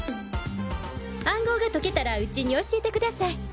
暗号が解けたらウチに教えてください。